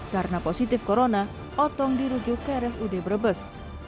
karena positif corona otong dirujuk ke res ude brebes